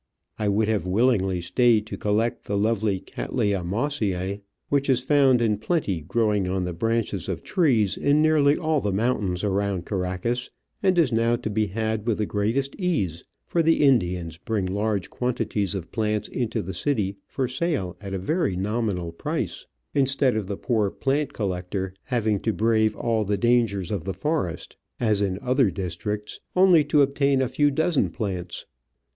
I would have willingly stayed to collect the lovely Cattleya Mossice, which is found in plenty growing on the branches of trees in nearly all the mountains around Caracas, and is now to be had with the greatest ease, for the Indians bring large quantities of plants into the city for sale at a very nominal price, instead of the poor plant collector having Digitized by VjOOQIC Digitized by VjOOQIC Digitized by V:iOOQIC OF AN Orchid Hunter, 29 to brave all the dangers of the forest (as in other dis tricts) only to obtain a few dozen of plants.